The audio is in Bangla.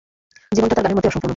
জীবনটা তার গানের মতোই অসম্পূর্ণ।